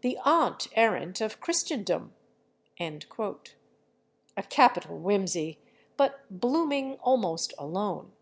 the Aunt Errant of Christendom." A capital whimsy—but blooming almost alone.